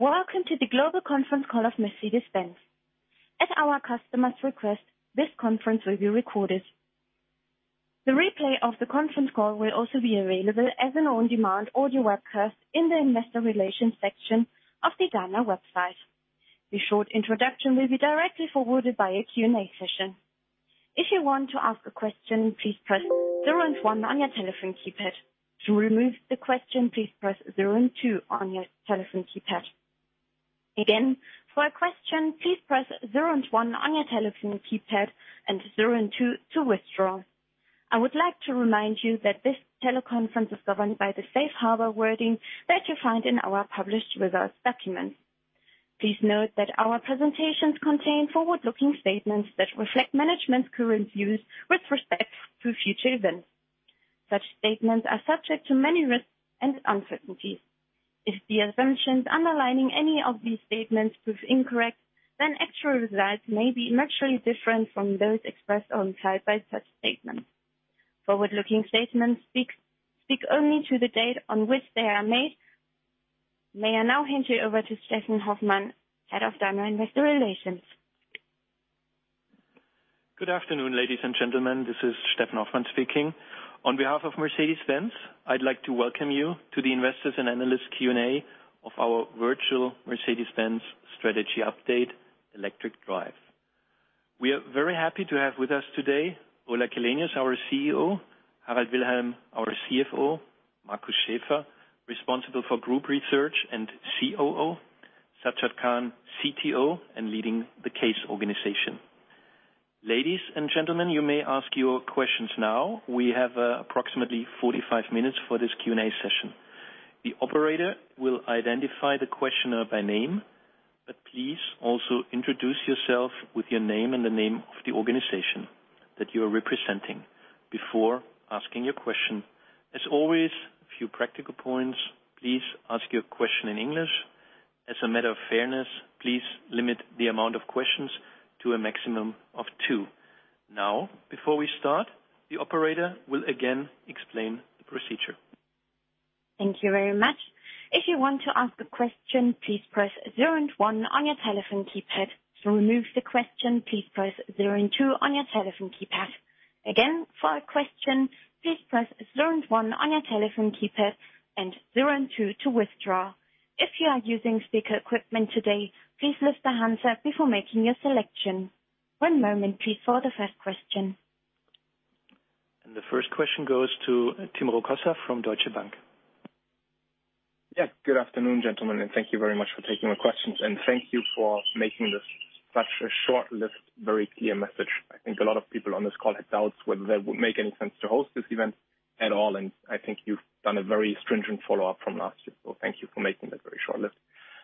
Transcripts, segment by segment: Welcome to the global conference call of Mercedes-Benz. At our customers' request, this conference will be recorded. The replay of the conference call will also be available as an on-demand audio webcast in the investor relations section of the Daimler website. The short introduction will be directly followed by a Q&A session. If you want to ask a question, please press zero and one on your telephone keypad. To remove the question, please press zero and two on your telephone keypad. Again, for a question, please press zero and one on your telephone keypad and zero and two to withdraw. I would like to remind you that this teleconference is governed by the safe harbor wording that you find in our published results documents. Please note that our presentations contain forward-looking statements that reflect management's current views with respect to future events. Such statements are subject to many risks and uncertainties. If the assumptions underlying any of these statements prove incorrect, actual results may be materially different from those expressed or implied by such statements. Forward-looking statements speak only to the date on which they are made. May I now hand you over to Steffen Hoffmann, Head of Daimler Investor Relations. Good afternoon, ladies and gentlemen. This is Steffen Hoffmann speaking. On behalf of Mercedes-Benz, I'd like to welcome you to the investors and analysts Q&A of our virtual Mercedes-Benz Strategy Update, Electric Drive. We are very happy to have with us today Ola Källenius, our CEO, Harald Wilhelm, our CFO, Markus Schäfer, responsible for Group Research and COO, Sajjad Khan, CTO and leading the CASE organization. Ladies and gentlemen, you may ask your questions now. We have approximately 45 minutes for this Q&A session. The operator will identify the questioner by name, but please also introduce yourself with your name and the name of the organization that you are representing before asking your question. As always, a few practical points. Please ask your question in English. As a matter of fairness, please limit the amount of questions to a maximum of two. Before we start, the operator will again explain the procedure. Thank you very much. If you want to ask a question, please press zero and one on your telephone keypad. To remove the question, please press zero and two on your telephone keypad. Again, for a question, please press zero and one on your telephone keypad and zero and two to withdraw. If you are using speaker equipment today, please lift the handset before making your selection. One moment, please, for the first question. The first question goes to Tim Rokossa from Deutsche Bank. Good afternoon, gentlemen, and thank you very much for taking the questions, and thank you for making this such a short list, very clear message. I think a lot of people on this call had doubts whether it would make any sense to host this event at all, and I think you've done a very stringent follow-up from last year. Thank you for making that very short list.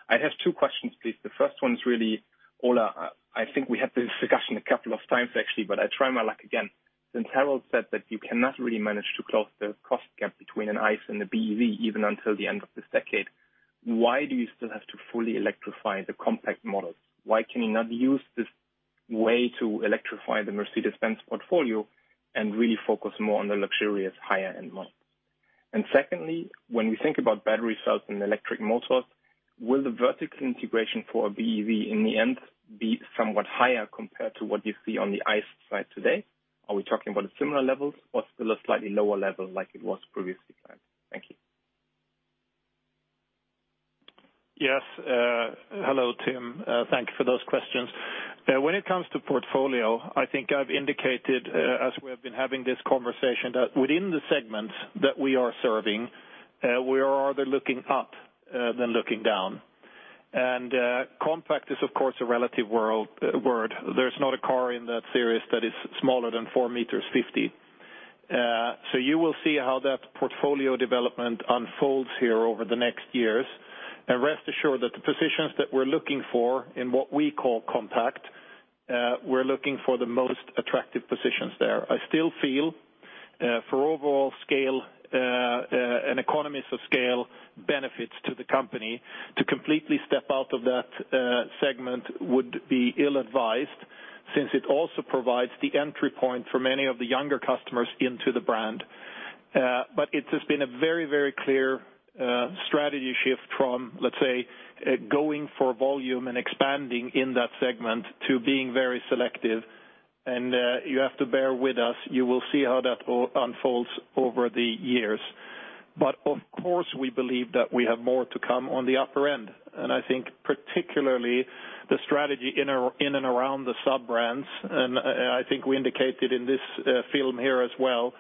I have two questions, please. The first one is really, Ola, I think we had this discussion a couple of times, actually, but I try my luck again. Since Harald said that you cannot really manage to close the cost gap between an ICE and a BEV, even until the end of this decade, why do you still have to fully electrify the compact models? Why can you not use this way to electrify the Mercedes-Benz portfolio and really focus more on the luxurious higher-end models? Secondly, when we think about battery cells and electric motors, will the vertical integration for a BEV in the end be somewhat higher compared to what you see on the ICE side today? Are we talking about similar levels or still a slightly lower level like it was previously planned? Thank you. Yes. Hello, Tim. Thank you for those questions. When it comes to portfolio, I think I've indicated, as we have been having this conversation, that within the segments that we are serving, we are rather looking up than looking down. Compact is, of course, a relative word. There's not a car in that series that is smaller than 4 m 50. You will see how that portfolio development unfolds here over the next years. Rest assured that the positions that we're looking for in what we call compact, we're looking for the most attractive positions there. I still feel for overall scale and economies of scale benefits to the company, to completely step out of that segment would be ill-advised, since it also provides the entry point for many of the younger customers into the brand. It has been a very, very clear strategy shift from, let's say, going for volume and expanding in that segment to being very selective. You have to bear with us. You will see how that all unfolds over the years. Of course, we believe that we have more to come on the upper end. I think particularly the strategy in and around the sub-brands, and I think we indicated in this film here as well,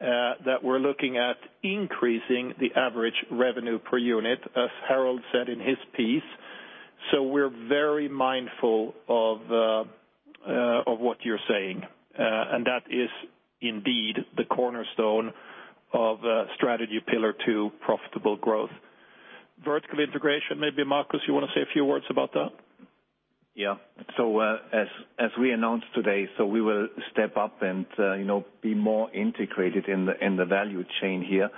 that we're looking at increasing the average revenue per unit, as Harald said in his piece. We're very mindful of what you're saying, and that is indeed the cornerstone of strategy pillar to profitable growth. Vertical integration, maybe, Markus, you want to say a few words about that? Yeah. As we announced today, so we will step up and be more integrated in the value chain here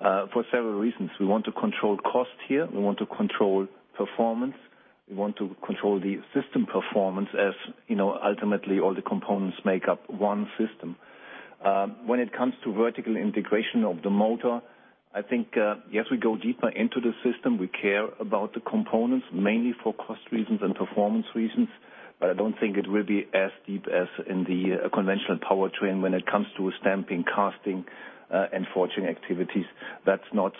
for several reasons. We want to control cost here. We want to control performance. We want to control the system performance, as ultimately all the components make up one system. When it comes to vertical integration of the motor, I think, yes, we go deeper into the system. We care about the components mainly for cost reasons and performance reasons. I don't think it will be as deep as in the conventional powertrain when it comes to stamping, casting, and forging activities. That's not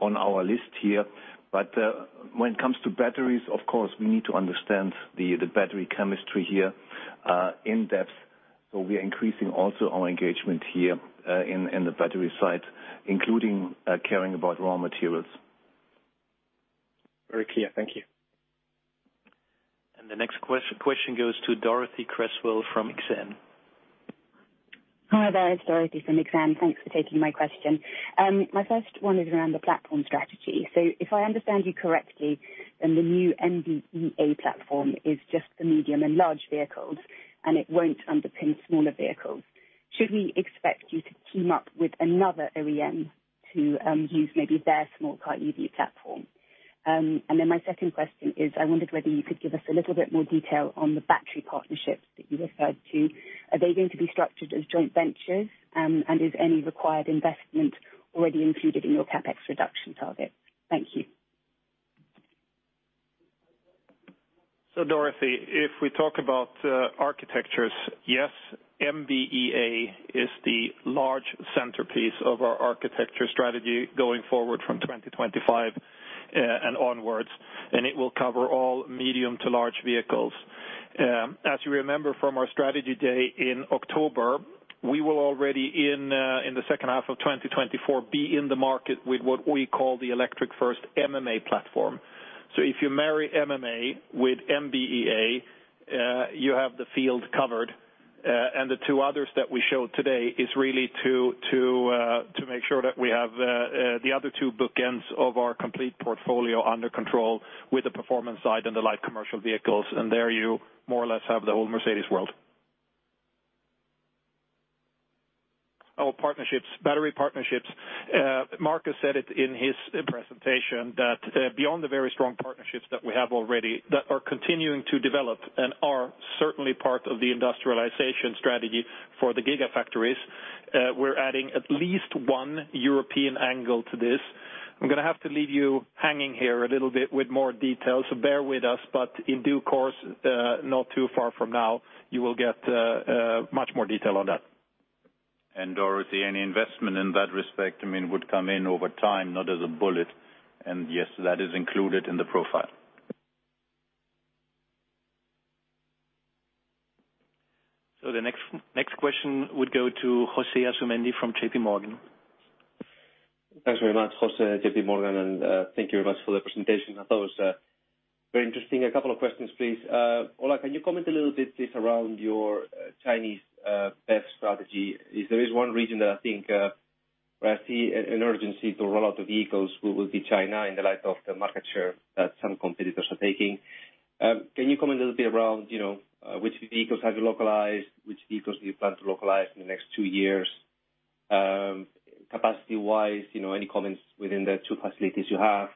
on our list here. When it comes to batteries, of course, we need to understand the battery chemistry here in depth. We are increasing also our engagement here in the battery side, including caring about raw materials. Very clear. Thank you. The next question goes to Dorothee Cresswell from Exane. Hi there, it's Dorothee from Exane. Thanks for taking my question. My first one is around the platform strategy. If I understand you correctly, then the new MB.EA platform is just the medium and large vehicles, and it won't underpin smaller vehicles. Should we expect you to team up with another OEM to use maybe their small car EV platform? My second question is, I wondered whether you could give us a little bit more detail on the battery partnerships that you referred to. Are they going to be structured as joint ventures? Is any required investment already included in your CapEx reduction target? Thank you. Dorothee, if we talk about architectures, yes, MB.EA is the large centerpiece of our architecture strategy going forward from 2025 and onwards, and it will cover all medium to large vehicles. As you remember from our strategy day in October, we will already in the second half of 2024, be in the market with what we call the electric first MMA platform. If you marry MMA with MB.EA, you have the field covered. The two others that we showed today is really to make sure that we have the other two bookends of our complete portfolio under control with the performance side and the light commercial vehicles. There you more or less have the whole Mercedes world. Our partnerships, battery partnerships. Markus said it in his presentation that beyond the very strong partnerships that we have already, that are continuing to develop and are certainly part of the industrialization strategy for the gigafactories, we're adding at least one European angle to this. I'm going to have to leave you hanging here a little bit with more details, so bear with us. In due course, not too far from now, you will get much more detail on that. Dorothee, any investment in that respect would come in over time, not as a bullet. Yes, that is included in the profile. The next question would go to José Asumendi from JPMorgan. Thanks very much. José, JPMorgan, thank you very much for the presentation. I thought it was very interesting. A couple of questions, please. Ola, can you comment a little bit, please, around your Chinese BEV strategy? If there is one region that I think where I see an urgency to roll out the vehicles, it will be China in the light of the market share that some competitors are taking. Can you comment a little bit around which vehicles have you localized, which vehicles do you plan to localize in the next two years? Capacity-wise, any comments within the two facilities you have?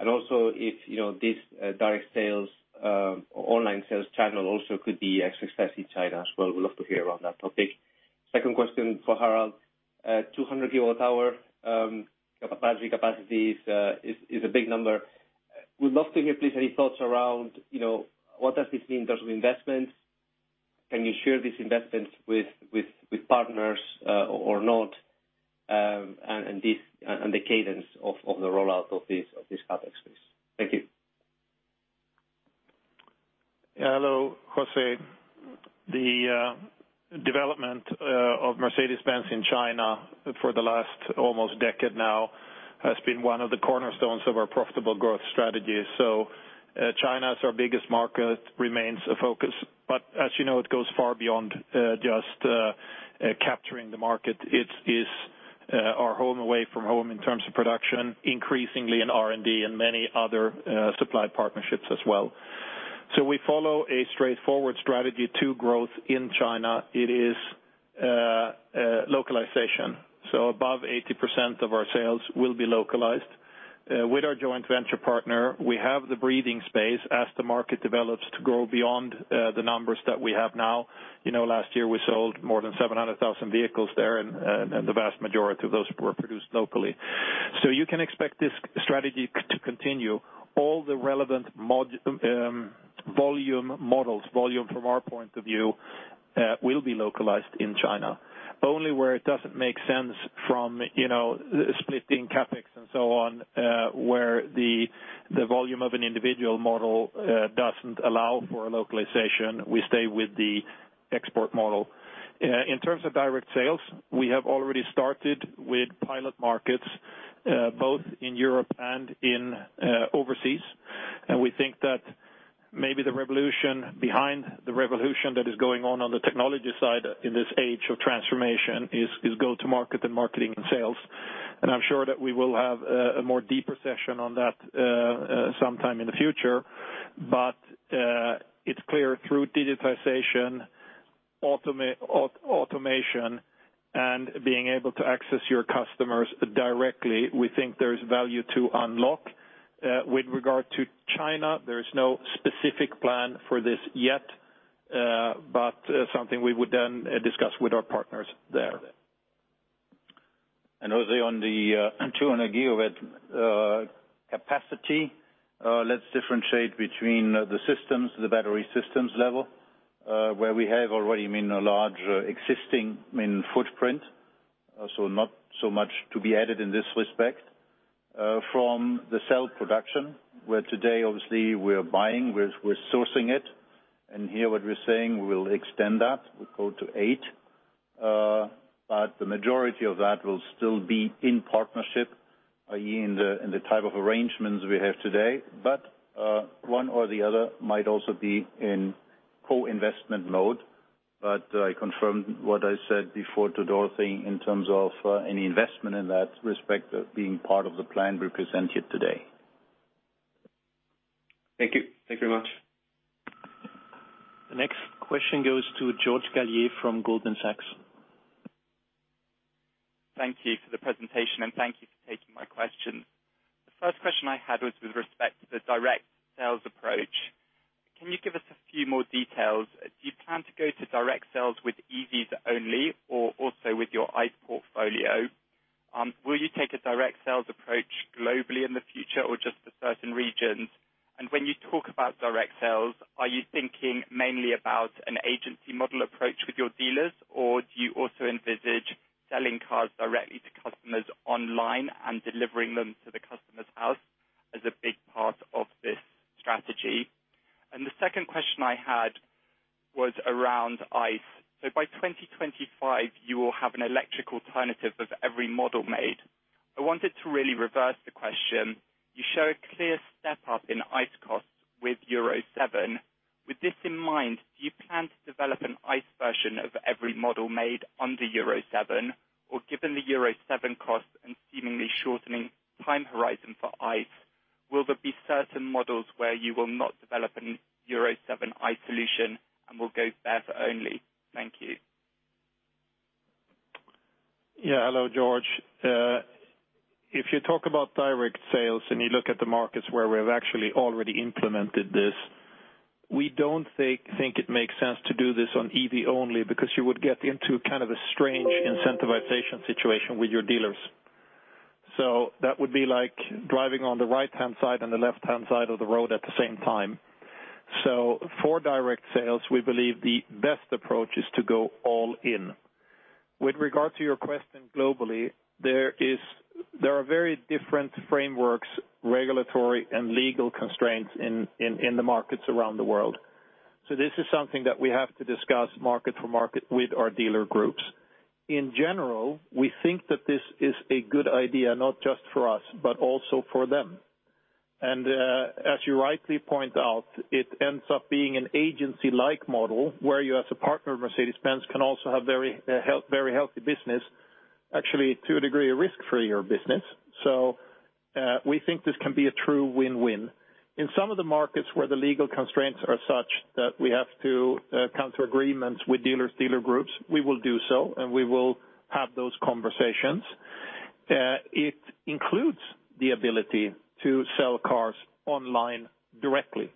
Also, if this direct sales, online sales channel also could be as successful in China as well. Would love to hear around that topic. Second question for Harald. 200 kWh battery capacities is a big number. Would love to hear, please, any thoughts around what does this mean in terms of investments. Can you share these investments with partners or not? The cadence of the rollout of this CapEx, please. Thank you. Hello, José. The development of Mercedes-Benz in China for the last almost decade now has been one of the cornerstones of our profitable growth strategy. China as our biggest market remains a focus. As you know, it goes far beyond just capturing the market. It is our home away from home in terms of production, increasingly in R&D and many other supply partnerships as well. We follow a straightforward strategy to growth in China. It is localization. Above 80% of our sales will be localized. With our joint venture partner, we have the breathing space as the market develops to grow beyond the numbers that we have now. Last year, we sold more than 700,000 vehicles there, and the vast majority of those were produced locally. You can expect this strategy to continue. All the relevant volume models, volume from our point of view, will be localized in China. Only where it doesn't make sense from splitting CapEx and so on, where the volume of an individual model doesn't allow for a localization, we stay with the export model. In terms of direct sales, we have already started with pilot markets both in Europe and in overseas. We think that maybe the revolution behind the revolution that is going on the technology side in this age of transformation is go to market and marketing and sales. I'm sure that we will have a more deeper session on that sometime in the future. It's clear through digitization, automation, and being able to access your customers directly, we think there's value to unlock. With regard to China, there is no specific plan for this yet, but something we would then discuss with our partners there. José, on the 200 GW capacity, let's differentiate between the systems, the battery systems level, where we have already a large existing footprint. Not so much to be added in this respect from the cell production, where today, obviously, we're buying, we're sourcing it. Here what we're saying, we will extend that. We'll go to eight. The majority of that will still be in partnership, i.e., in the type of arrangements we have today. One or the other might also be in co-investment mode, I confirm what I said before to Dorothee in terms of any investment in that respect of being part of the plan we presented today. Thank you. Thank you very much. The next question goes to George Galliers from Goldman Sachs. Thank you for the presentation. Thank you for taking my question. The first question I had was with respect to the direct sales approach. Can you give us a few more details? Do you plan to go to direct sales with EVs only or also with your ICE portfolio? Will you take a direct sales approach globally in the future or just for certain regions? When you talk about direct sales, are you thinking mainly about an agency model approach with your dealers, or do you also envisage selling cars directly to customers online and delivering them to the customer's house as a big part of this strategy? The second question I had was around ICE. By 2025, you will have an electric alternative of every model made. I wanted to really reverse the question. You show a clear step up in ICE costs with Euro 7. With this in mind, do you plan to develop an ICE version of every model made under Euro 7? Given the Euro 7 costs and seemingly shortening time horizon for ICE, will there be certain models where you will not develop an Euro 7 ICE solution and will go BEV only? Thank you. Yeah. Hello, George. If you talk about direct sales and you look at the markets where we've actually already implemented this, we don't think it makes sense to do this on EV only because you would get into kind of a strange incentivization situation with your dealers. That would be like driving on the right-hand side and the left-hand side of the road at the same time. For direct sales, we believe the best approach is to go all in. With regard to your question globally, there are very different frameworks, regulatory, and legal constraints in the markets around the world. This is something that we have to discuss market to market with our dealer groups. In general, we think that this is a good idea, not just for us, but also for them. As you rightly point out, it ends up being an agency-like model where you, as a partner of Mercedes-Benz, can also have very healthy business, actually to a degree, a risk for your business. We think this can be a true win-win. In some of the markets where the legal constraints are such that we have to come to agreements with dealers, dealer groups, we will do so, and we will have those conversations. It includes the ability to sell cars online directly.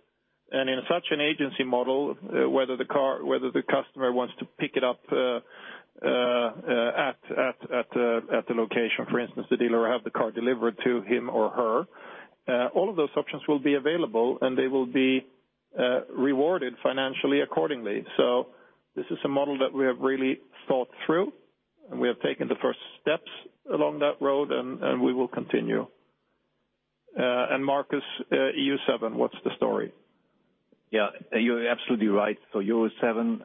In such an agency model, whether the customer wants to pick it up at the location. For instance, the dealer will have the car delivered to him or her. All of those options will be available, and they will be rewarded financially accordingly. This is a model that we have really thought through, and we have taken the first steps along that road, and we will continue. Markus, Euro 7, what's the story? Yeah, you're absolutely right. Euro 7,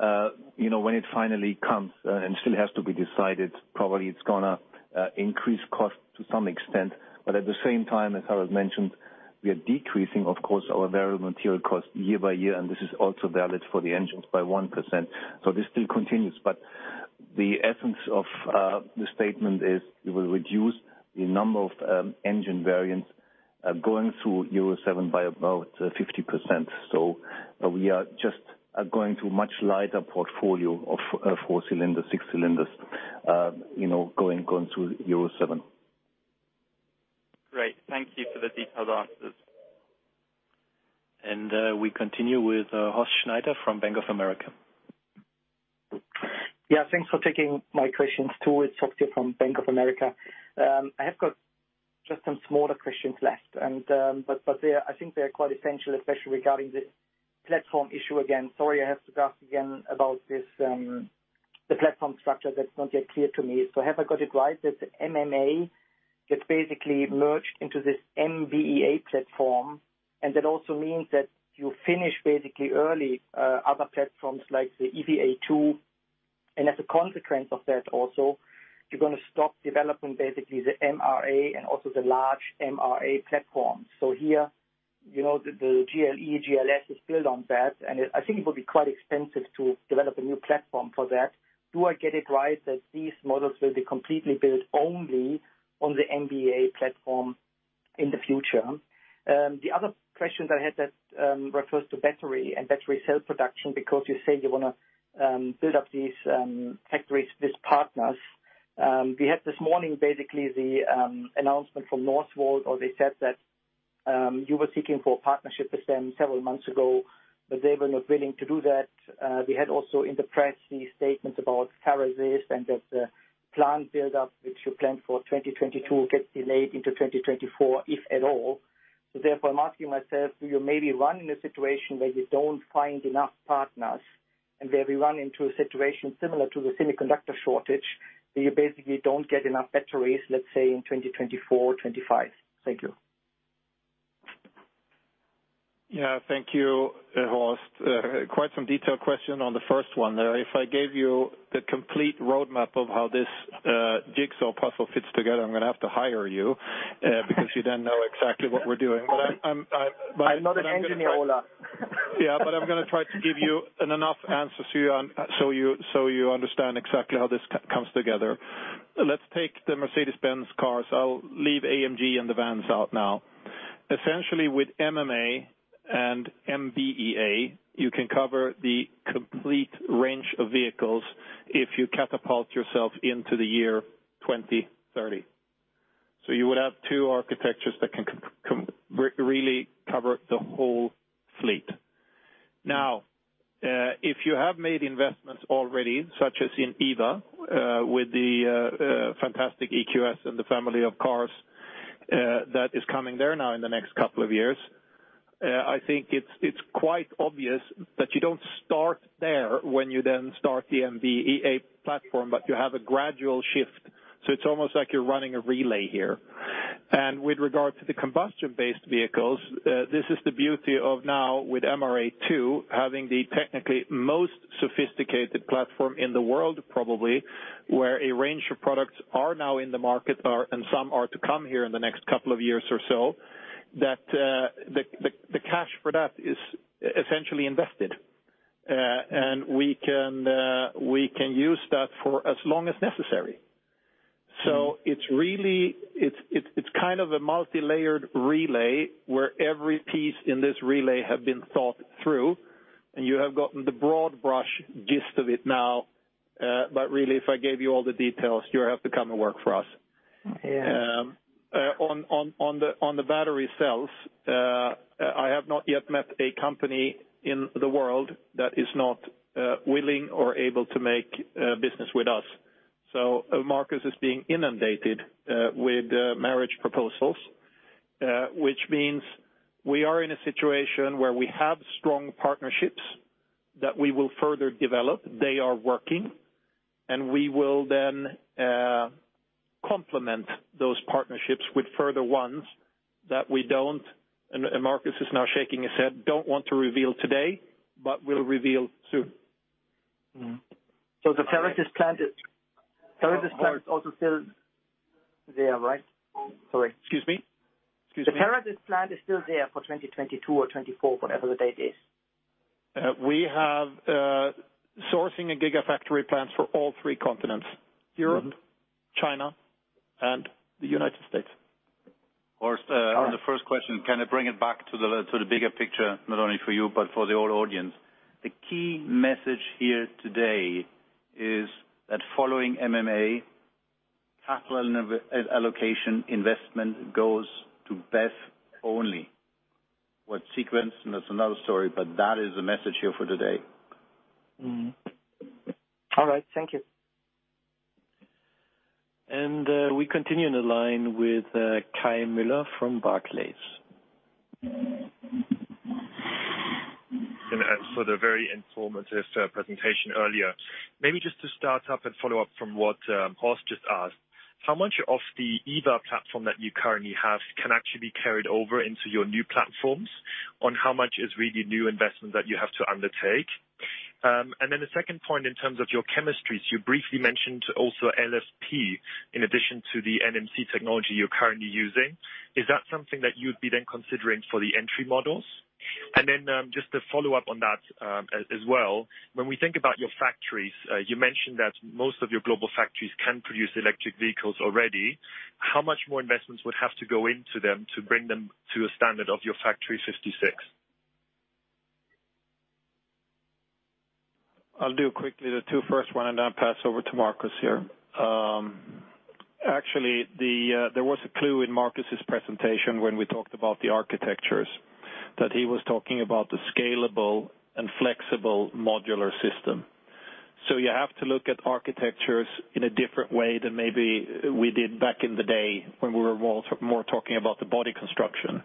when it finally comes, and still has to be decided, probably it's going to increase cost to some extent. At the same time, as Harald mentioned, we are decreasing, of course, our variable material cost year by year, and this is also valid for the engines by 1%. This still continues, but the essence of the statement is we will reduce the number of engine variants going through Euro 7 by about 50%. We are just going to much lighter portfolio of four cylinders, six cylinders going through Euro 7. Great. Thank you for the detailed answers. We continue with Horst Schneider from Bank of America. Thanks for taking my questions, too. It's Horst from Bank of America. I have got just some smaller questions left. I think they are quite essential, especially regarding the platform issue again. Sorry, I have to ask again about the platform structure that's not yet clear to me. Have I got it right that the MMA gets basically merged into this MB.EA platform, and that also means that you finish basically early other platforms like the EVA2, and as a consequence of that also, you're going to stop developing basically the MRA and also the large MRA platform. Here, the GLE, GLS is built on that, and I think it will be quite expensive to develop a new platform for that. Do I get it right that these models will be completely built only on the MB.EA platform in the future? The other questions I had that refers to battery and battery cell production, because you say you want to build up these factories with partners. We had this morning, basically the announcement from Northvolt, or they said that you were seeking for a partnership with them several months ago, but they were not willing to do that. We had also in the press the statements about Farasis this and that the plant build-up, which you planned for 2022, gets delayed into 2024, if at all. Therefore, I'm asking myself, do you maybe run in a situation where you don't find enough partners and where we run into a situation similar to the semiconductor shortage, that you basically don't get enough batteries, let's say, in 2024-2025? Thank you. Yeah, thank you, Horst. Quite some detailed question on the first one there. If I gave you the complete roadmap of how this jigsaw puzzle fits together, I'm going to have to hire you, because you then know exactly what we're doing. I'm not an engineer, Ola. I'm going to try to give you enough answers to you, so you understand exactly how this comes together. Let's take the Mercedes-Benz Cars. I'll leave AMG and the vans out now. Essentially, with MMA and MB.EA, you can cover the complete range of vehicles if you catapult yourself into the year 2030. You would have two architectures that can really cover the whole fleet. Now, if you have made investments already, such as in EVA, with the fantastic EQS and the family of cars that is coming there now in the next couple of years, I think it's quite obvious that you don't start there when you then start the MB.EA platform, but you have a gradual shift, so it's almost like you're running a relay here. With regard to the combustion-based vehicles, this is the beauty of now, with MRA2, having the technically most sophisticated platform in the world, probably, where a range of products are now in the market, and some are to come here in the next couple of years or so, that the cash for that is essentially invested. We can use that for as long as necessary. It's kind of a multi-layered relay, where every piece in this relay has been thought through, and you have gotten the broad-brush gist of it now. Really, if I gave you all the details, you have to come and work for us. Yeah. On the battery cells, I have not yet met a company in the world that is not willing or able to make business with us. Markus is being inundated with marriage proposals, which means we are in a situation where we have strong partnerships that we will further develop. They are working, we will then complement those partnerships with further ones that we don't, Markus is now shaking his head, don't want to reveal today, we'll reveal soon. The Farasis plant is also still there, right? Sorry. Excuse me? The Farasis plant is still there for 2022 or 2024, whatever the date is? We have sourcing and gigafactory plants for all three continents, Europe, China, and the United States. Horst, on the first question, can I bring it back to the bigger picture, not only for you, but for the whole audience? The key message here today is that following MMA, capital allocation investment goes to BEV only. What sequence, and that's another story, but that is the message here for today. All right. Thank you. We continue on the line with Kai Müller from Barclays. For the very informative presentation earlier. Maybe just to start up and follow up from what Horst just asked, how much of the EVA platform that you currently have can actually be carried over into your new platforms, on how much is really new investment that you have to undertake? The second point in terms of your chemistries, you briefly mentioned also LFP in addition to the NMC technology you're currently using. Is that something that you'd be then considering for the entry models? Just to follow up on that as well, when we think about your factories, you mentioned that most of your global factories can produce electric vehicles already. How much more investments would have to go into them to bring them to a standard of your Factory 56? I'll do quickly the two first one, and then pass over to Markus here. Actually, there was a clue in Markus's presentation when we talked about the architectures, that he was talking about the scalable and flexible modular system. You have to look at architectures in a different way than maybe we did back in the day when we were more talking about the body construction.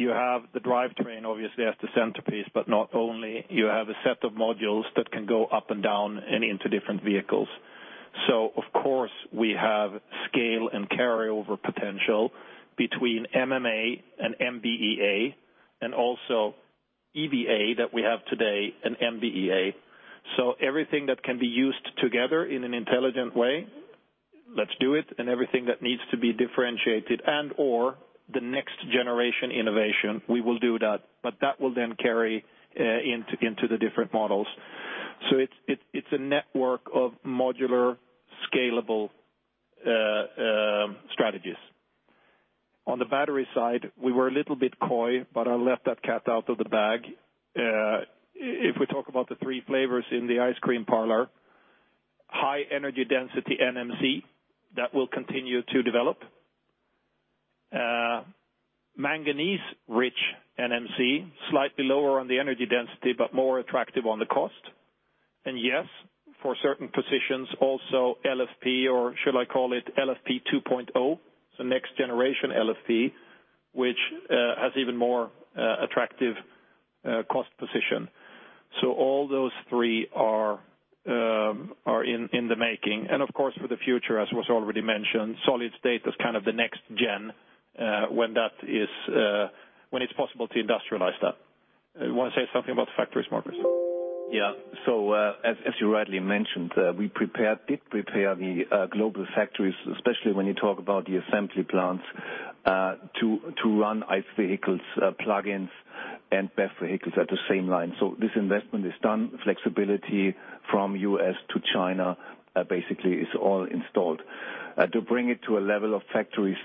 You have the drivetrain, obviously, as the centerpiece, but not only. You have a set of modules that can go up and down and into different vehicles. Of course, we have scale and carryover potential between MMA and MB.EA, and also EVA that we have today and MB.EA. Everything that can be used together in an intelligent way, let's do it, and everything that needs to be differentiated and/or the next generation innovation, we will do that. That will then carry into the different models. It's a network of modular, scalable strategies. On the battery side, we were a little bit coy, but I left that cat out of the bag. If we talk about the three flavors in the ice cream parlor, high energy density NMC, that will continue to develop. Manganese-rich NMC, slightly lower on the energy density, but more attractive on the cost. Yes, for certain positions also LFP, or should I call it LFP 2.0, the next generation LFP, which has even more attractive cost position. All those three are in the making, and of course, for the future, as was already mentioned, solid-state is kind of the next gen, when it's possible to industrialize that. You want to say something about the factories, Markus? Yeah. As you rightly mentioned, we did prepare the global factories, especially when you talk about the assembly plants, to run ICE vehicles, plug-ins, and BEV vehicles at the same line. This investment is done, flexibility from U.S. to China basically is all installed. To bring it to a level of Factory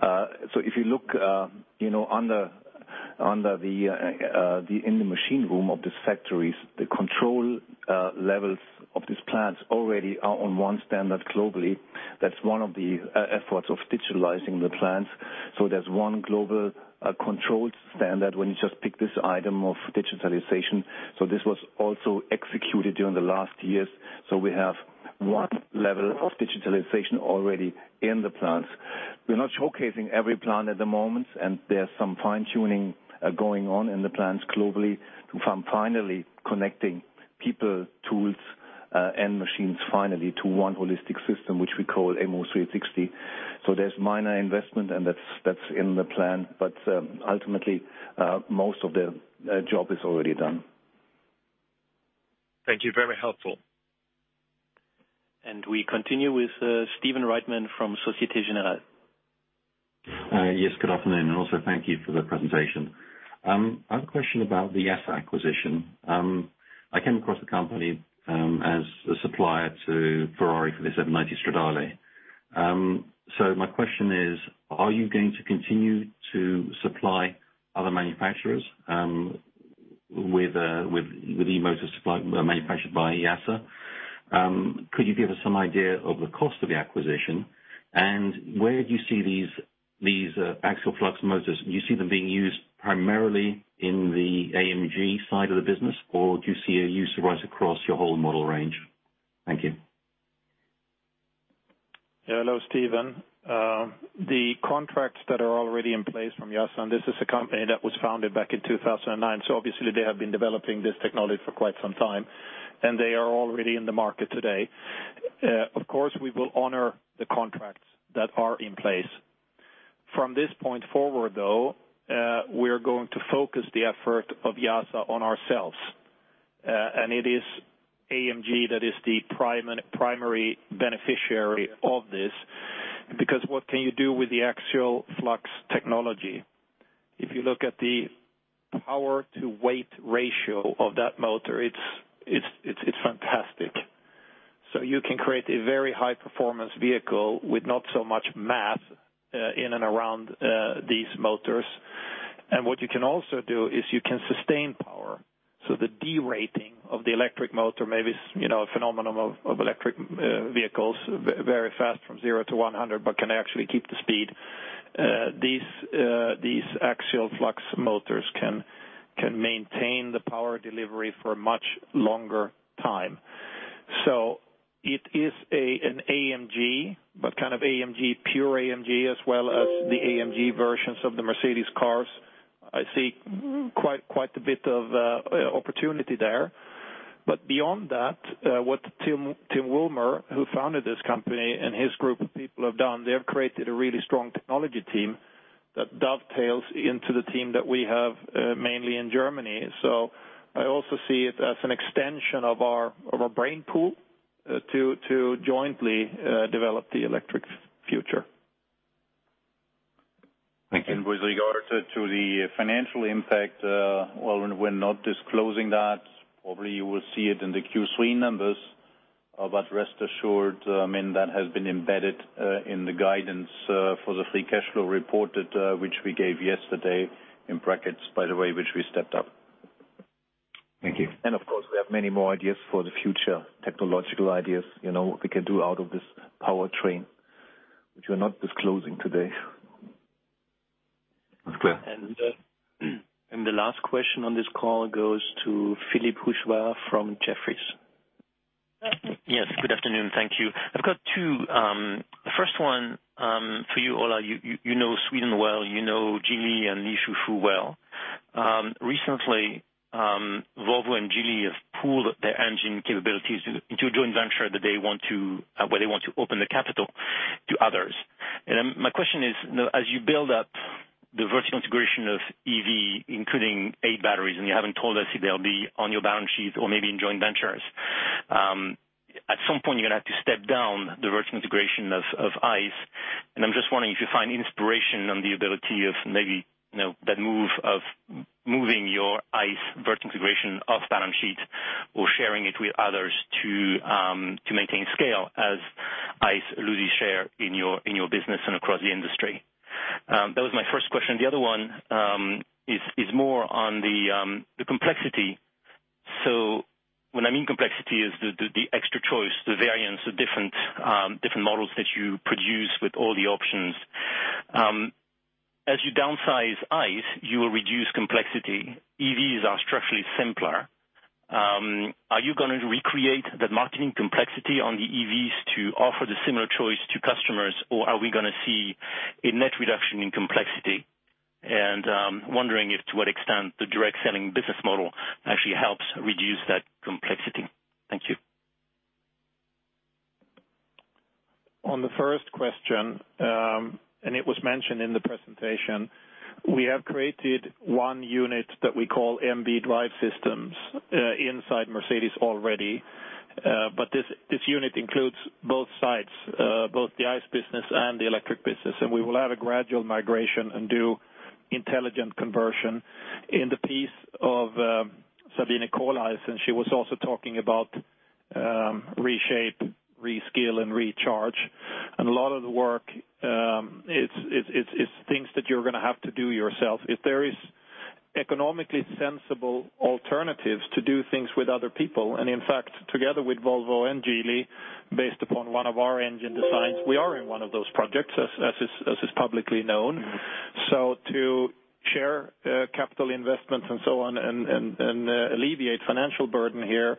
56, if you look in the machine room of these factories, the control levels of these plants already are on one standard globally. That's one of the efforts of digitalizing the plants. There's one global controlled standard when you just pick this item of digitalization. This was also executed during the last years. We have one level of digitalization already in the plants. We're not showcasing every plant at the moment, and there's some fine-tuning going on in the plants globally from finally connecting people, tools, and machines finally to one holistic system, which we call MO360. There's minor investment, and that's in the plan. Ultimately, most of the job is already done. Thank you. Very helpful. We continue with Stephen Reitman from Societe Generale. Yes, good afternoon, and also thank you for the presentation. I have a question about the YASA acquisition. I came across the company as a supplier to Ferrari for the SF90 Stradale. My question is, are you going to continue to supply other manufacturers, with e-motor supply manufactured by YASA? Could you give us some idea of the cost of the acquisition? Where do you see these axial flux motors, do you see them being used primarily in the AMG side of the business, or do you see a use right across your whole model range? Thank you. Hello, Stephen. The contracts that are already in place from YASA, and this is a company that was founded back in 2009, so obviously they have been developing this technology for quite some time, and they are already in the market today. Of course, we will honor the contracts that are in place. From this point forward, though, we are going to focus the effort of YASA on ourselves. It is AMG that is the primary beneficiary of this. What can you do with the axial flux technology? If you look at the power to weight ratio of that motor, it's fantastic. You can create a very high performance vehicle with not so much mass in and around these motors. What you can also do is you can sustain power. The derating of the electric motor, maybe it's a phenomenon of electric vehicles, very fast from 0 to 100, but can I actually keep the speed? These axial flux motors can maintain the power delivery for a much longer time. It is an AMG, but kind of AMG, pure AMG, as well as the AMG versions of the Mercedes cars. I see quite a bit of opportunity there. Beyond that, what Tim Woolmer, who founded this company, and his group of people have done, they have created a really strong technology team that dovetails into the team that we have, mainly in Germany. I also see it as an extension of our brain pool to jointly develop the electric future. Thank you. With regard to the financial impact, well, we're not disclosing that. Probably you will see it in the Q3 numbers. Rest assured, I mean, that has been embedded in the guidance for the free cash flow reported, which we gave yesterday, in brackets, by the way, which we stepped up. Thank you. Of course, we have many more ideas for the future, technological ideas, what we can do out of this powertrain, which we're not disclosing today. That's clear. The last question on this call goes to Philippe Houchois from Jefferies. Yes, good afternoon. Thank you. I've got two. The first one, for you, Ola. You know Sweden well, you know Geely and Li Shufu well. Recently, Volvo and Geely have pooled their engine capabilities into a joint venture where they want to open the capital to others. My question is, as you build up the vertical integration of EV, including eight batteries, and you haven't told us if they'll be on your balance sheet or maybe in joint ventures. At some point, you're going to have to step down the vertical integration of ICE, and I'm just wondering if you find inspiration on the ability of maybe that move of moving your ICE vertical integration off balance sheet or sharing it with others to maintain scale as ICE lose share in your business and across the industry. That was my first question. The other one is more on the complexity. When I mean complexity is the extra choice, the variants of different models that you produce with all the options. As you downsize ICE, you will reduce complexity. EVs are structurally simpler. Are you going to recreate that marketing complexity on the EVs to offer the similar choice to customers, or are we going to see a net reduction in complexity? I'm wondering if, to what extent, the direct selling business model actually helps reduce that complexity. Thank you. On the first question, it was mentioned in the presentation, we have created one unit that we call Mercedes-Benz Drive Systems inside Mercedes-Benz already. This unit includes both sides, both the ICE business and the electric business. We will have a gradual migration and do intelligent conversion. In the piece of Sabine Kohleisen, she was also talking about reshape, reskill, and recharge. A lot of the work, it's things that you're going to have to do yourself. If there is economically sensible alternatives to do things with other people, and in fact, together with Volvo and Geely, based upon one of our engine designs, we are in one of those projects, as is publicly known. To share capital investments and so on, and alleviate financial burden here,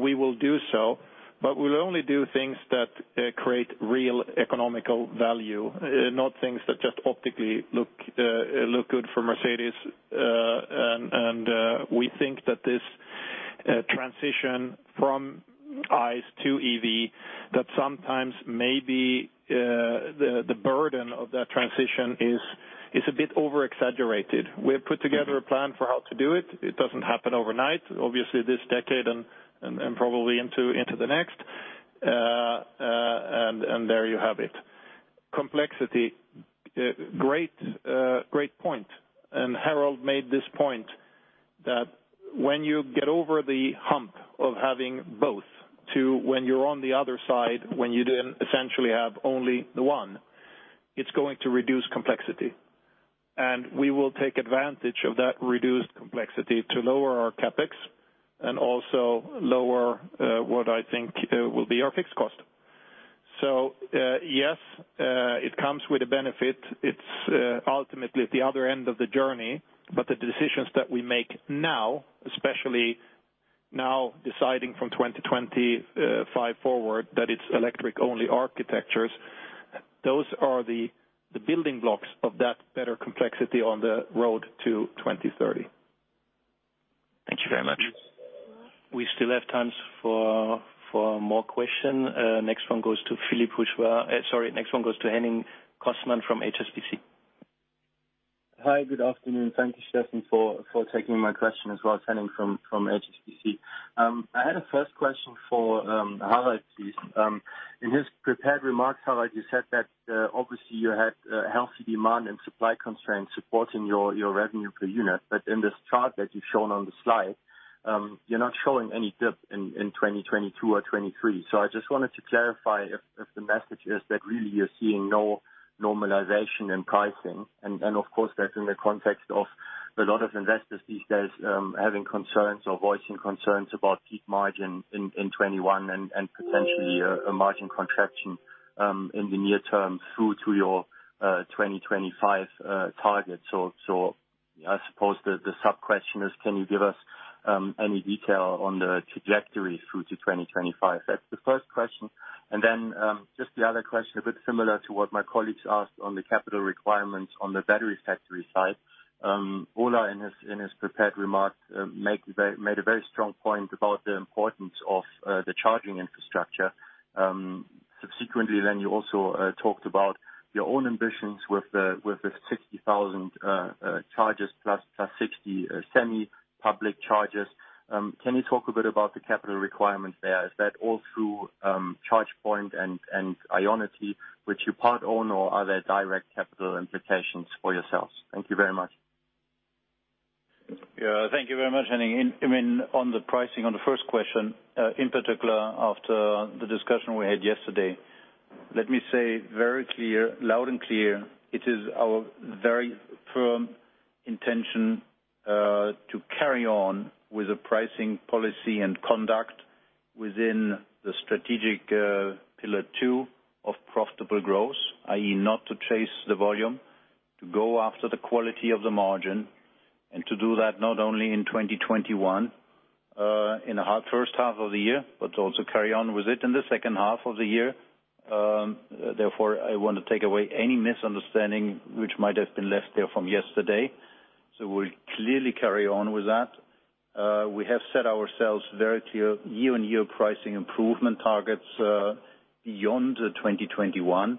we will do so, but we'll only do things that create real economic value, not things that just optically look good for Mercedes. We think that this transition from ICE to EV, that sometimes maybe the burden of that transition is a bit over-exaggerated. We have put together a plan for how to do it. It doesn't happen overnight. Obviously, this decade and probably into the next. There you have it. Complexity. Great point. Harald made this point that when you get over the hump of having both to when you're on the other side, when you then essentially have only the one it's going to reduce complexity. We will take advantage of that reduced complexity to lower our CapEx and also lower what I think will be our fixed cost. Yes, it comes with a benefit. It's ultimately at the other end of the journey, but the decisions that we make now, especially now deciding from 2025 forward, that it's electric-only architectures, those are the building blocks of that better complexity on the road to 2030. Thank you very much. We still have time for more question. Next one goes to Henning Cosman from HSBC. Hi, good afternoon. Thank you, Steffen, for taking my question as well. It's Henning from HSBC. I had a first question for Harald. In his prepared remarks, Harald, you said that obviously you had a healthy demand and supply constraints supporting your revenue per unit. In this chart that you've shown on the slide, you're not showing any dip in 2022 or 2023. I just wanted to clarify if the message is that really you're seeing no normalization in pricing. Of course, that's in the context of a lot of investors these days having concerns or voicing concerns about peak margin in 2021 and potentially a margin contraction in the near term through to your 2025 target. I suppose the sub-question is, can you give us any detail on the trajectory through to 2025? That's the first question. Just the other question, a bit similar to what my colleagues asked on the capital requirements on the battery factory side. Ola, in his prepared remarks, made a very strong point about the importance of the charging infrastructure. You also talked about your own ambitions with the 60,000 charges plus 60 semi-public charges. Can you talk a bit about the capital requirements there? Is that all through ChargePoint and IONITY, which you part own, or are there direct capital implications for yourselves? Thank you very much. Yeah, thank you very much, Henning. On the pricing, on the first question, in particular after the discussion we had yesterday, let me say very clear, loud and clear, it is our very firm intention to carry on with a pricing policy and conduct within the strategic pillar two of profitable growth, i.e., not to chase the volume, to go after the quality of the margin, and to do that not only in 2021, in the first half of the year, but also carry on with it in the second half of the year. I want to take away any misunderstanding which might have been left there from yesterday. We'll clearly carry on with that. We have set ourselves very clear year-on-year pricing improvement targets beyond the 2021,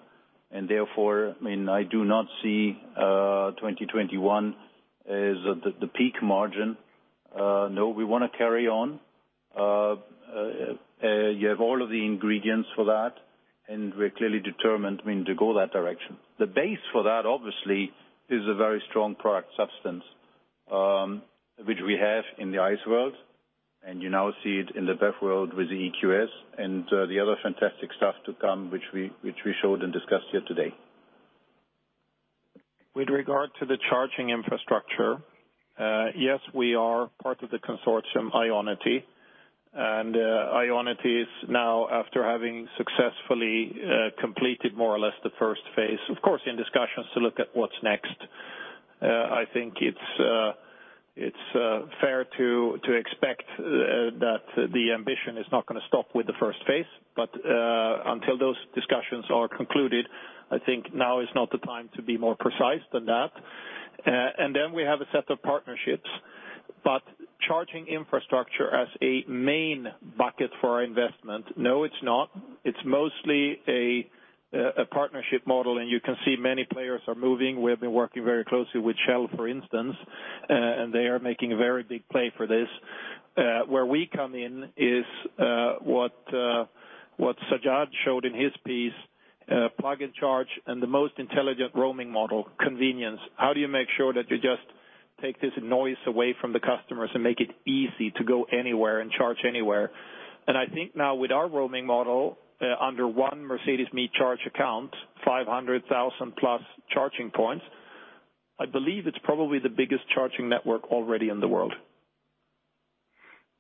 and therefore, I do not see 2021 as the peak margin. No, we want to carry on. You have all of the ingredients for that. We're clearly determined to go that direction. The base for that, obviously, is a very strong product substance, which we have in the ICE world, and you now see it in the BEV world with the EQS and the other fantastic stuff to come, which we showed and discussed here today. With regard to the charging infrastructure, yes, we are part of the consortium, IONITY. IONITY is now, after having successfully completed more or less the first phase, of course, in discussions to look at what's next. I think it's fair to expect that the ambition is not going to stop with the first phase. Until those discussions are concluded, I think now is not the time to be more precise than that. Then we have a set of partnerships. Charging infrastructure as a main bucket for our investment, no, it's not. It's mostly a partnership model, and you can see many players are moving. We have been working very closely with Shell, for instance, and they are making a very big play for this. Where we come in is what Sajjad showed in his piece, Plug & Charge and the most intelligent roaming model, convenience. How do you make sure that you just take this noise away from the customers and make it easy to go anywhere and charge anywhere? I think now with our roaming model, under one Mercedes me Charge account, 500,000-plus charging points, I believe it's probably the biggest charging network already in the world.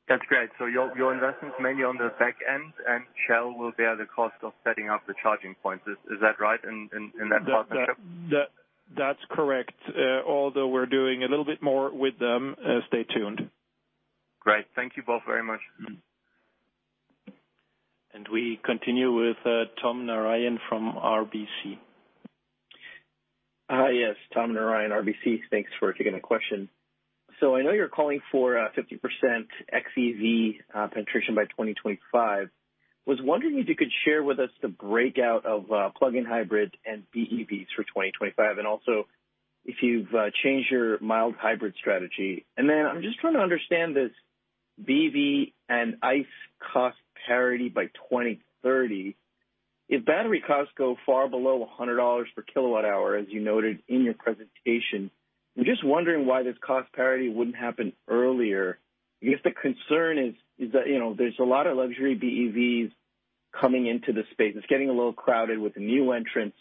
That's great. Your investment is mainly on the back end, and Shell will bear the cost of setting up the charging points. Is that right in that partnership? That's correct. We're doing a little bit more with them. Stay tuned. Great. Thank you both very much. We continue with Tom Narayan from RBC. Hi, yes. Tom Narayan, RBC. Thanks for taking the question. I know you're calling for a 50% xEV penetration by 2025. I was wondering if you could share with us the breakout of plug-in hybrid and BEVs for 2025, and also if you've changed your mild hybrid strategy. I'm just trying to understand this BEV and ICE cost parity by 2030. If battery costs go far below EUR 100 /kWh, as you noted in your presentation, I'm just wondering why this cost parity wouldn't happen earlier. I guess the concern is that there's a lot of luxury BEVs coming into the space. It's getting a little crowded with new entrants,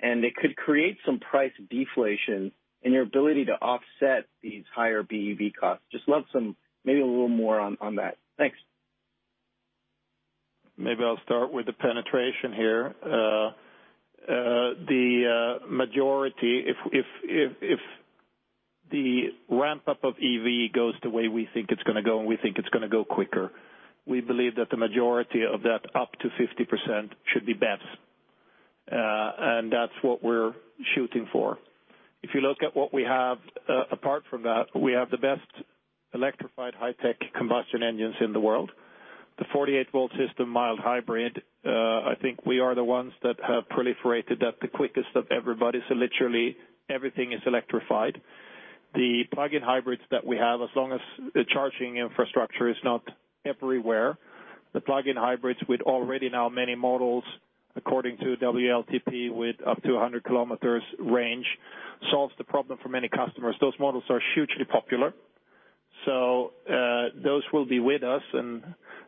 and it could create some price deflation in your ability to offset these higher BEV costs. I would just love some, maybe a little more on that. Thanks. Maybe I'll start with the penetration here. The majority, if the ramp-up of EV goes the way we think it's going to go, and we think it's going to go quicker, we believe that the majority of that up to 50% should be BEVs. That's what we're shooting for. If you look at what we have apart from that, we have the best electrified high-tech combustion engines in the world. The 48-V system mild hybrid, I think we are the ones that have proliferated that the quickest of everybody, literally everything is electrified. The plug-in hybrids that we have, as long as the charging infrastructure is not everywhere, the plug-in hybrids with already now many models according to WLTP with up to 100 km range, solves the problem for many customers. Those models are hugely popular. Those will be with us and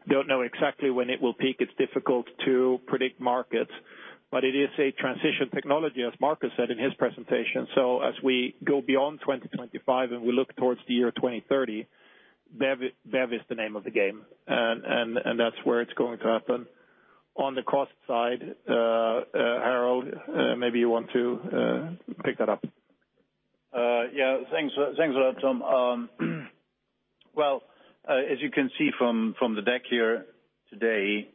don't know exactly when it will peak. It's difficult to predict markets. It is a transition technology, as Markus said in his presentation. As we go beyond 2025 and we look towards the year 2030, BEV is the name of the game, and that's where it's going to happen. On the cost side, Harald, maybe you want to pick that up. Yeah, thanks a lot, Tom. As you can see from the deck here today,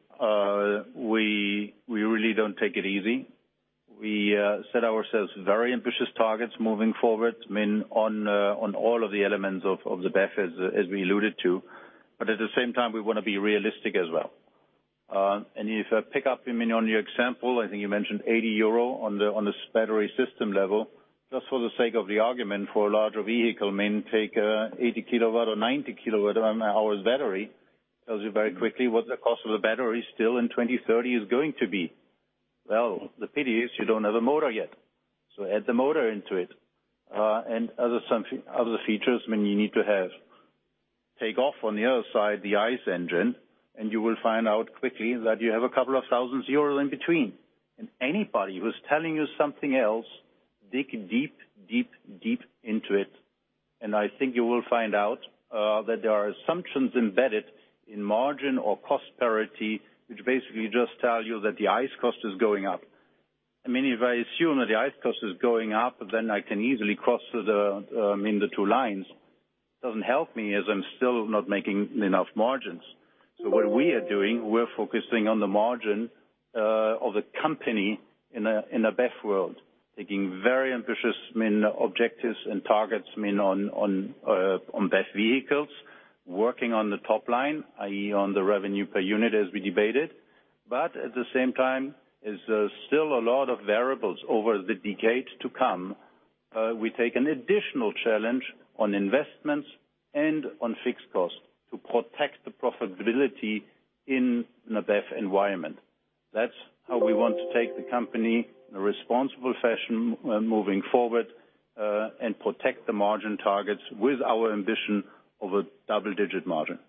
we really don't take it easy. We set ourselves very ambitious targets moving forward on all of the elements of the BEV, as we alluded to. At the same time, we want to be realistic as well. If I pick up on your example, I think you mentioned 80 euro on the battery system level. Just for the sake of the argument, for a larger vehicle, take a 80 kWh or 90 kWh battery, tells you very quickly what the cost of the battery still in 2030 is going to be. The pity is you don't have a motor yet. Add the motor into it and other features you need to have. Take off on the other side, the ICE engine, you will find out quickly that you have a couple of 1,000 euros in between. Anybody who's telling you something else, dig deep, deep, deep into it, I think you will find out that there are assumptions embedded in margin or cost parity, which basically just tell you that the ICE cost is going up. If I assume that the ICE cost is going up, I can easily cross the 2 lines. It doesn't help me as I'm still not making enough margins. What we are doing, we're focusing on the margin of the company in a BEV world, taking very ambitious objectives and targets on BEV vehicles, working on the top line, i.e., on the revenue per unit as we debated. At the same time, there is still a lot of variables over the decade to come. We take an additional challenge on investments and on fixed costs to protect the profitability in the BEV environment. That's how we want to take the company in a responsible fashion when moving forward, and protect the margin targets with our ambition of a double-digit margin.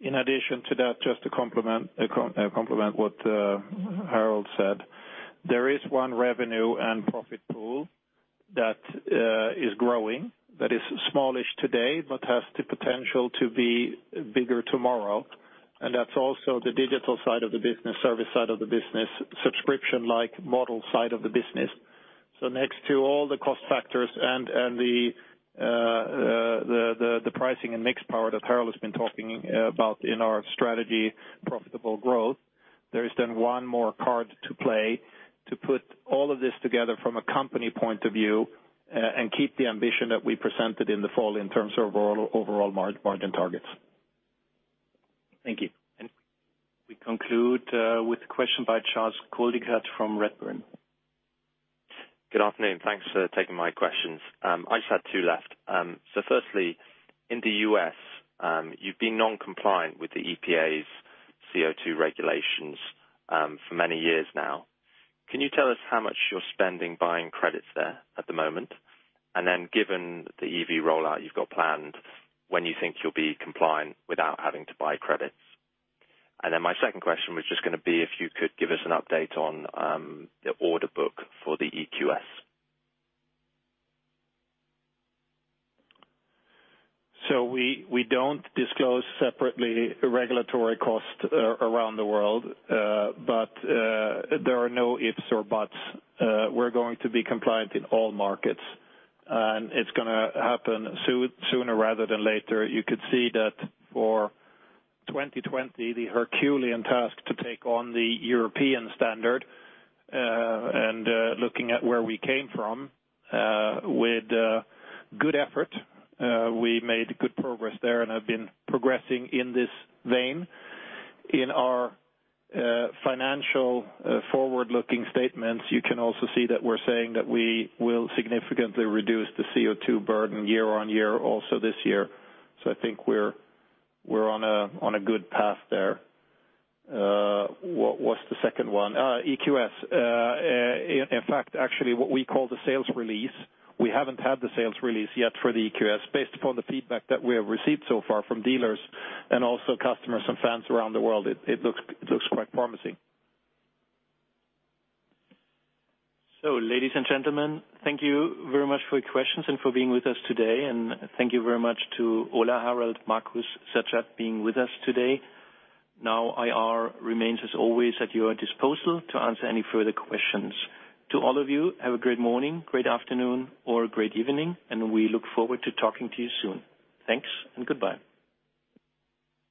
In addition to that, just to complement what Harald said, there is one revenue and profit pool that is growing, that is smallish today, but has the potential to be bigger tomorrow. That's also the digital side of the business, service side of the business, subscription-like model side of the business. Next to all the cost factors and the pricing and mix power that Harald has been talking about in our strategy, profitable growth, there is one more card to play to put all of this together from a company point of view and keep the ambition that we presented in the fall in terms of overall margin targets. Thank you. We conclude with a question by Charles Coldicott from Redburn. Good afternoon, thanks for taking my questions. I just had two left. Firstly, in the U.S., you've been non-compliant with the EPA's CO2 regulations for many years now. Can you tell us how much you're spending buying credits there at the moment? Given the EV rollout you've got planned, when you think you'll be compliant without having to buy credits? My second question was just going to be if you could give us an update on the order book for the EQS. We don't disclose separately regulatory costs around the world, but there are no ifs or buts. We're going to be compliant in all markets, and it's going to happen sooner rather than later. You could see that for 2020, the Herculean task to take on the European standard, and looking at where we came from, with good effort, we made good progress there and have been progressing in this vein. In our financial forward-looking statements, you can also see that we're saying that we will significantly reduce the CO2 burden year on year also this year. I think we're on a good path there. What was the second one? EQS. In fact, actually what we call the sales release, we haven't had the sales release yet for the EQS. Based upon the feedback that we have received so far from dealers and also customers and fans around the world, it looks quite promising. Ladies and gentlemen, thank you very much for your questions and for being with us today. Thank you very much to Ola, Harald, Markus, Sajjad, being with us today. IR remains as always at your disposal to answer any further questions. To all of you, have a great morning, great afternoon, or a great evening, and we look forward to talking to you soon. Thanks and goodbye.